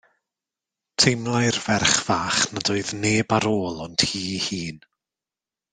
Teimlai'r ferch fach nad oedd neb ar ôl ond hi'i hun.